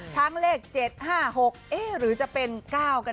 ทั้งเลข๗๕๖หรือจะเป็น๙กันเนอะ